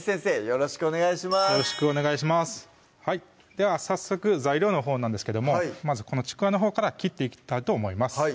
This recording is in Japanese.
よろしくお願いしますでは早速材料のほうなんですけどもまずこのちくわのほうから切っていきたいと思います